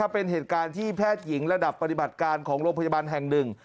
เป็นเหตุการณ์ที่แพทย์หญิงระดับปฏิบัติการของโรงพยาบาลแห่งหนึ่ง